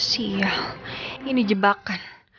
sial ini jebakan